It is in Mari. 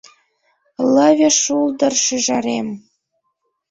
Лыве шулдыр - шӱжарем